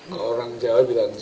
kalau orang jawa bilang